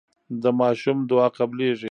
د ماشوم دعا قبليږي.